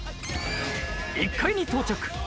１階に到着。